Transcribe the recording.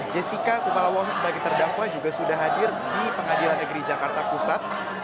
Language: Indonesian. jessica kumala wongso sebagai terdakwa juga sudah hadir di pengadilan negeri jakarta pusat